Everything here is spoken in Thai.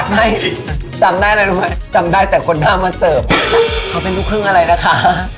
ไม่จำได้อะไรรู้ไหมจำได้แต่คนหน้ามาเสิร์ฟเขาเป็นลูกครึ่งอะไรนะคะ